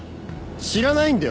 知らないんだよ